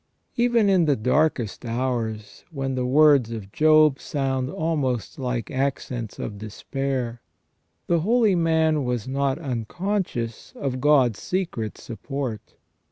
* Even in the darkest hours, when the words of Job sound almost like accents of despair, the holy man was not unconscious of God's secret support.